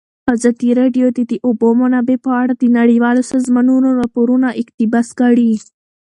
ازادي راډیو د د اوبو منابع په اړه د نړیوالو سازمانونو راپورونه اقتباس کړي.